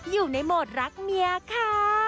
อยู่ในโหมดรักเมียค่ะ